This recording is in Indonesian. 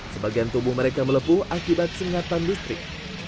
sebagian tubuh mereka melepuh akibat sengatan listrik